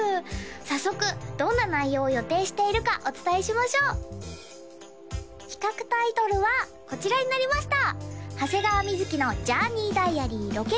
早速どんな内容を予定しているかお伝えしましょう企画タイトルはこちらになりました